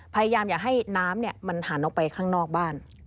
พยายามอย่าให้น้ำมันหันออกไปข้างนอกบ้าน